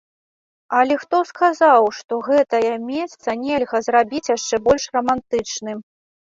Але хто сказаў, што гэтае месца нельга зрабіць яшчэ больш рамантычным?